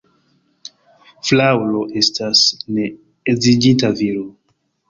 Fraŭlo estas ne edziĝinta viro.